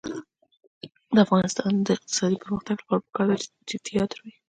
د افغانستان د اقتصادي پرمختګ لپاره پکار ده چې تیاتر وي.